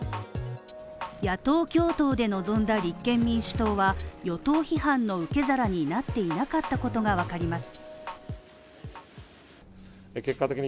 野党共闘で臨んだ立憲民主党は与党批判の受け皿になっていなかったことがわかります。